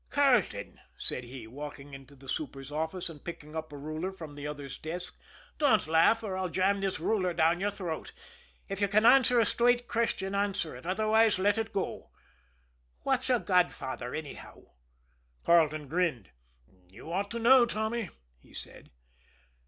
"Carleton," said he, walking into the super's office, and picking up a ruler from the other's desk, "don't laugh, or I'll jam this ruler down your throat. If you can answer a straight question, answer it otherwise, let it go. What's a godfather, anyhow?" Carleton grinned. "You ought to know, Tommy," he said.